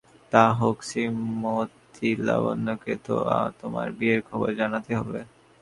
তা হোক, শ্রীমতী লাবণ্যকে তো তোমার বিয়ের খবর জানাতে হবে।